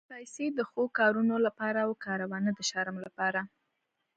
پېسې د ښو کارونو لپاره وکاروه، نه د شر لپاره.